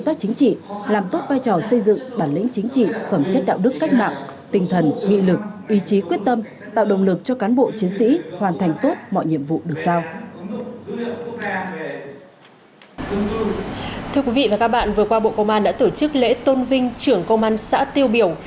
thưa quý vị và các bạn vừa qua bộ công an đã tổ chức lễ tôn vinh trưởng công an xã tiêu biểu